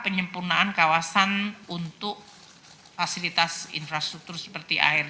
penyempurnaan kawasan untuk fasilitas infrastruktur seperti air